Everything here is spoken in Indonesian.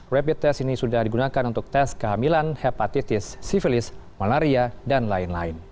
rapid test ini sudah digunakan untuk tes kehamilan hepatitis sivilis malaria dan lain lain